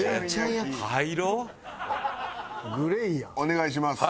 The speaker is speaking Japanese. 「お願いします」